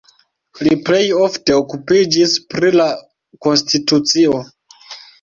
Li plej ofte okupiĝis pri la konstitucio.